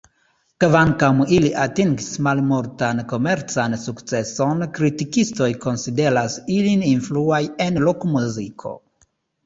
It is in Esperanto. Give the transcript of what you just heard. Kvankam ili atingis malmultan komercan sukceson, kritikistoj konsideras ilin influaj en rokmuziko.